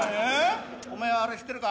お前はあれ知ってるか？